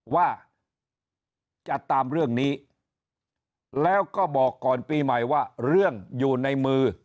ว่าจะตามเรื่องนี้แล้วก็บอกก่อนปีใหม่ว่าเรื่องอยู่ในมือ